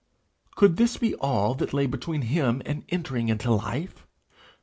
Could this be all that lay between him and entering into life?